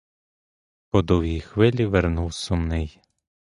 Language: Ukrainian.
По довгій хвилі вернув сумний.